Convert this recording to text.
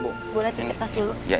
boleh bantuin bang